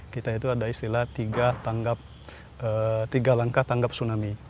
kita itu ada istilah tiga langkah tanggap tsunami